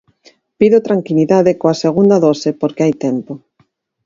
Pido tranquilidade coa segunda dose porque hai tempo.